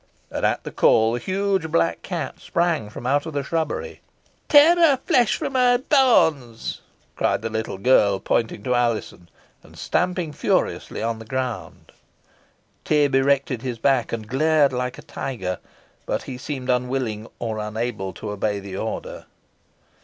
And at the call the huge black cat sprang from out the shrubbery. "Tear her flesh from her bones!" cried the little girl, pointing to Alizon, and stamping furiously on the ground. Tib erected his back, and glared like a tiger, but he seemed unwilling or unable to obey the order.